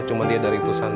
cuma dia dari tusan